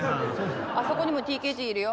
あそこにもＴＫＧいるよ。